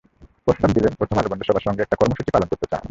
প্রস্তাব দিলেন প্রথম আলো বন্ধুসভার সঙ্গে একটি কর্মসূচি পালন করতে চান।